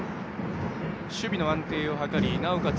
守備の安定を図りなおかつ